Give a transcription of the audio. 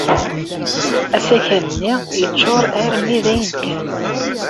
Asakal-nni yeččuṛ armi d ayen kan.